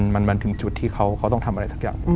มันถึงจุดที่เขาต้องทำอะไรสักอย่าง